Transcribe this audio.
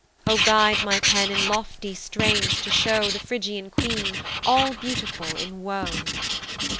O guide my pen in lofty strains to show The Phrygian queen, all beautiful in woe.